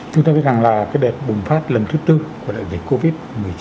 chúng ta biết rằng là cái đợt bùng phát lần thứ tư của đại dịch covid một mươi chín